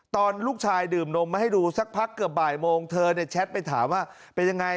ตอนลูกชายดื่มนมมาให้ดูสักพักเกือบบ่ายโมงเธอเนี่ยแชทไปถามว่าเป็นยังไง